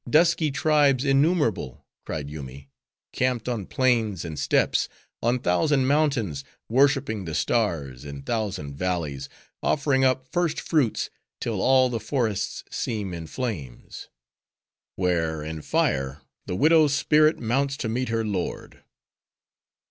dusky tribes innumerable!" cried Yoomy, "camped on plains and steppes; on thousand mountains, worshiping the stars; in thousand valleys, offering up first fruits, till all the forests seem in flames;—where, in fire, the widow's spirit mounts to meet her lord!